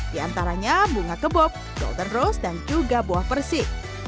di antaranya bunga kebob golden rose dan juga buah persi